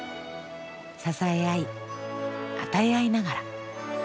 支え合い与え合いながら。